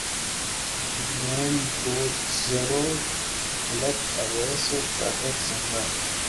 Gleam بو ذر و دلق اویس و چادر زہرا